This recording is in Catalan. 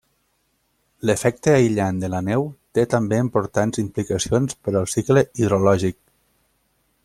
L'efecte aïllant de la neu té també importants implicacions per al cicle hidrològic.